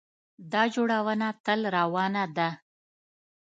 دا جوړونه تل روانه ده.